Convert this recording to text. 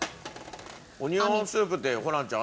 オニオンスープってホランちゃん